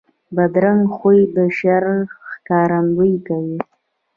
بدرنګه خوی د شر ښکارندویي کوي